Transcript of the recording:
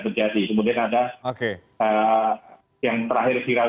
terjadi kemudian ada yang terakhir viral